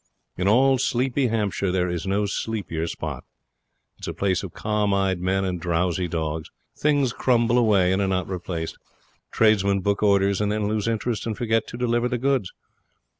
In all sleepy Hampshire there is no sleepier spot. It is a place of calm eyed men and drowsy dogs. Things crumble away and are not replaced. Tradesmen book orders, and then lose interest and forget to deliver the goods.